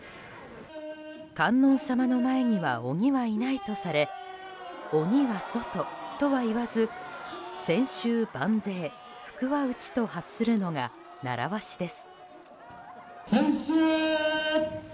観音様の前には鬼はいないとされ鬼は外とは言わず千秋万歳福は内と発するのが習わしです。